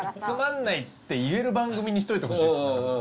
つまんないって言える番組にしといてほしいです。